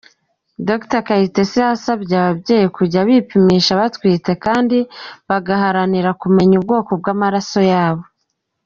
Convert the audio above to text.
Dr Kayitesi yasabye ababyeyi kujya bipimisha batwite kandi bagaharanira kumenya ubwoko bw’amaraso yabo.